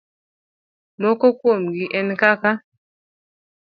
Moko kuomgi en kaka: